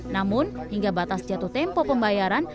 namun hingga batas jatuh tempo pembayaran